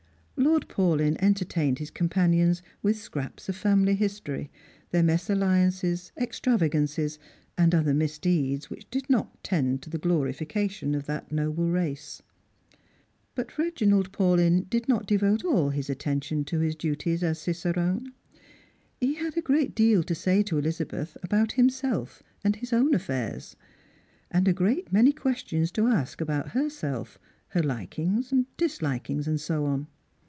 Lord Paulyn entertained his companions with scraps of Family history, their mesalliances, extravagances, and other mis deeds which did not tend to the glorification of that noble race. But Reginald Paulyn did not devote all his attention to hia duties as cicerone. He had a great deal to say to Elizabeth about himself and his own affairs ; and a great many questions to ask about herself, her likings, dislikings, and so on.